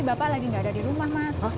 bapak lagi enggak ada di rumah